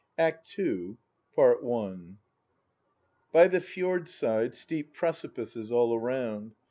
ACT SECOND By the fjord side, steep precipices all around.